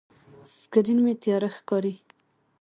سکرین مې تیاره ښکاري.